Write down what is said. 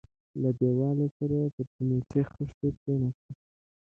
له دېواله سره پر سميټي خښتو کښېناستو.